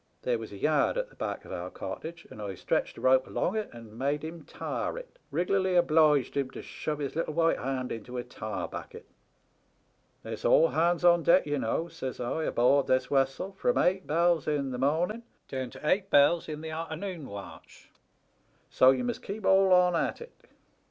There was a yard at the back of our cottage, and I stretched a rope along it and made him tar it, rig'larly obliged him to shove his little white hand into a tar bucket. "* It's all hands on deck, ye know,' says I, ' aboard this wessel from eight bells in the morning down to eight bells in the arternoon watch ; so ye must keep all on at it.'